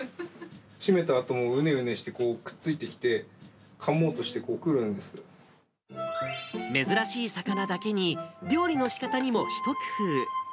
しめたあともうねうねして、くっついてきて、かもうとして、珍しい魚だけに、料理のしかたにも一工夫。